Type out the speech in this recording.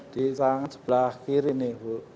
di tangan sebelah kiri ini